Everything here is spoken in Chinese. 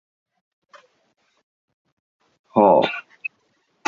爱沙尼亚奥林匹克委员会是爱沙尼亚的国家奥林匹克委员会。